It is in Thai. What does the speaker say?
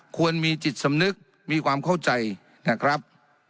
ควรมีจิตสำนึกมีความเข้าใจนะครับ